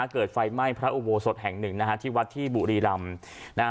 เกิดไฟไหม้พระอุโบสถแห่งหนึ่งนะฮะที่วัดที่บุรีรำ